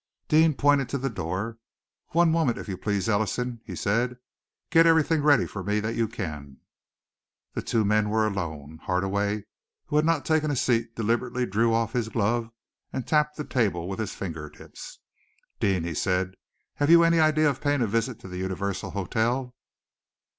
Deane pointed to the door. "One moment, if you please, Ellison," he said. "Get everything ready for me that you can." The two men were alone. Hardaway, who had not taken a seat, deliberately drew off his glove, and tapped the table with his fingertips. "Deane," he said, "have you any idea of paying a visit to the Universal Hotel?"